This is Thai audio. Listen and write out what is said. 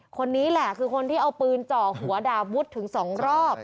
คนนี้แหละคือคนที่เอาปืนเจาะหัวดาบวุฒิถึงสองรอบ